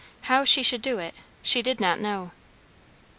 How she should do it, she did not know.